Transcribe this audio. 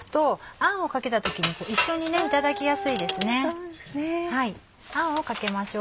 あんをかけましょう。